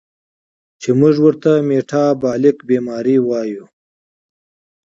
چې مونږ ورته ميټابالک بیمارۍ وايو